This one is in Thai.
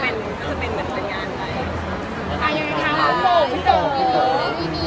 อันเนี่ยก็ห้ามไม่ได้ว่าจะคิดแบบไหน